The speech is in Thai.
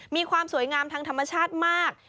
มีความสวยงามทางธรรมชาติมาก